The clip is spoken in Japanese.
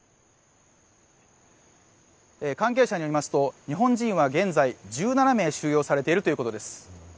関係者によりますと、日本人は現在、１７名収容されているということです。